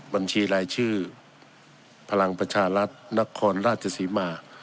บัญชีรายชื่อพลังประชารัฐนครราชศรีมา